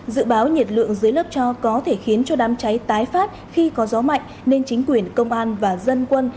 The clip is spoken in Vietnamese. dự báo nhiệt lượng dưới lớp cho có thể khiến cho đám cháy tái phát khi có gió mạnh nên chính quyền công an và dân quân